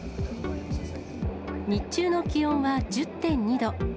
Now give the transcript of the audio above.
日中の気温は１０．２度。